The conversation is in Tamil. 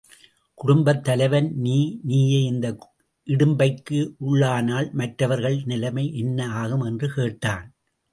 குடும்பத் தலைவன் நீ நீயே இந்த இடும்பைக்கு உள்ளானால் மற்றவர்கள் நிலைமை என்ன ஆகும்? என்று கேட்டான்.